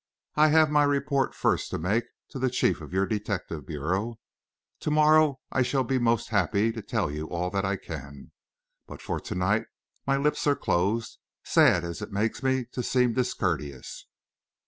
I have my report first to make to the chief of your detective bureau. To morrow I shall be most happy to tell you all that I can. But for to night my lips are closed, sad as it makes me to seem discourteous."